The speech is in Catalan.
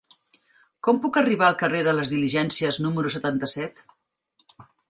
Com puc arribar al carrer de les Diligències número setanta-set?